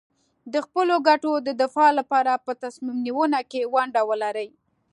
د خپلو ګټو د دفاع لپاره په تصمیم نیونه کې ونډه ولري.